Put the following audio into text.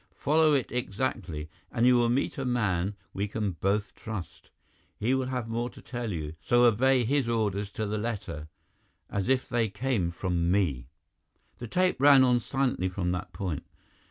"Follow it exactly, and you will meet a man we both can trust. He will have more to tell you, so obey his orders to the letter, as if they came from me." The tape ran on silently from that point.